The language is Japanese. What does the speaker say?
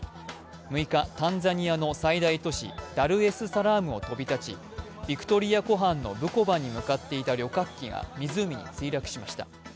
６日、タンザニアの最大都市ダルエスサラームを飛び立ち、ビクトリア湖畔のブコバに向かっていた旅客機が湖に墜落しました。